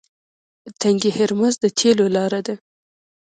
تنګی هرمز د تیلو لاره ده.